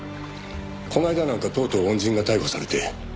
「この間なんかとうとう恩人が逮捕されて」